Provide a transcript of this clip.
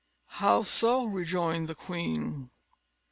"How so!" rejoined the queen.